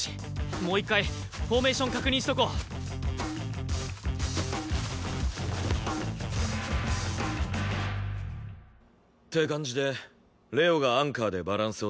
もう１回フォーメーション確認しとこう！って感じで玲王がアンカーでバランスを取る。